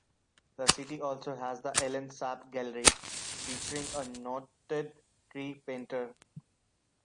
The city also has the Allen Sapp Gallery, featuring a noted Cree painter.